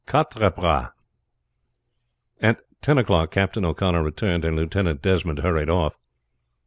QUATRE BRAS. At ten o'clock Captain O'Connor returned and Lieutenant Desmond hurried off.